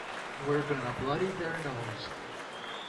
We're gonna bloody their nose!